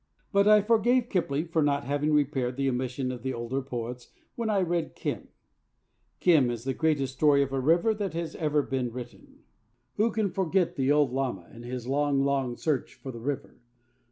But I forgave Kipling for not having repaired the omission of the older poets when I read Kim. Kim is the greatest story of a river that has ever been written. Who can forget the old lama and his long, long search for the River?